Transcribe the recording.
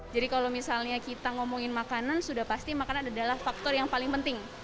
jadi kalau misalnya kita ngomongin makanan sudah pasti makanan adalah faktor yang paling penting